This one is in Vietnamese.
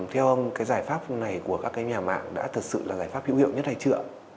theo ông cái giải pháp này của các cái nhà mạng đã thật sự là giải pháp hữu hiệu nhất hay chưa